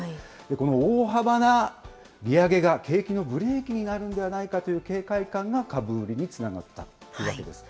この大幅な利上げが景気のブレーキになるんではないかという警戒感が、株売りにつながったというわけです。